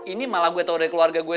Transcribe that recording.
ini malah gue tau dari keluarga gue